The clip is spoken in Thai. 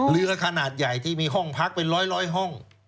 เรือขนาดใหญ่ที่มีห้องพักเป็นร้อยห้อง